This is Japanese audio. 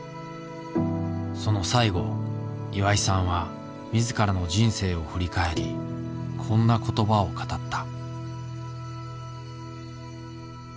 その最後岩井さんは自らの人生を振り返りこんな言葉を語った。